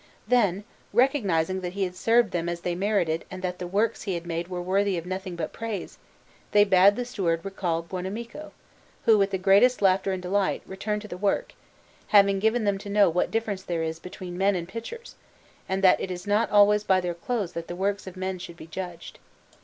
Then, recognizing that he had served them as they merited and that the works that he had made were worthy of nothing but praise, they bade the steward recall Buonamico, who, with the greatest laughter and delight, returned to the work, having given them to know what difference there is between men and pitchers, and that it is not always by their clothes that the works of men should be judged.